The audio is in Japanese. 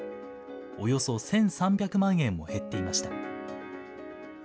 およそ１３００万円も減っていました。